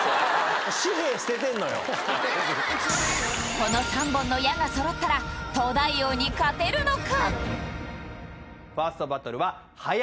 この３本の矢がそろったら東大王に勝てるのか？